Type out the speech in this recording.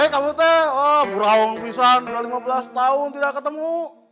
kamu tuh burung orang pisang udah lima belas tahun tidak ketemu